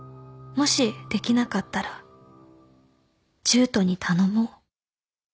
「もしできなかったらジュートに頼もう」